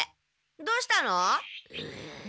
どうしたの？